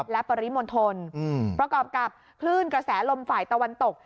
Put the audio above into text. และปริมณฑลประกอบกับคลื่นกระแสลมฝ่ายตะวันตก